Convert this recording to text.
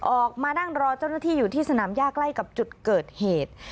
ออกมานั่งรอเจ้าหน้าที่อยู่ที่สนามย่าใกล้กับจุดเกิดเหตุ